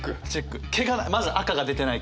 ケガまず赤が出てないか。